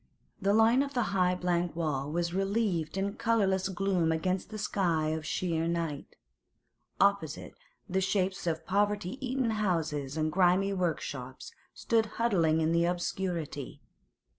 The line of the high blank wall was relieved in colourless gloom against a sky of sheer night. Opposite, the shapes of poverty eaten houses and grimy workshops stood huddling in the obscurity.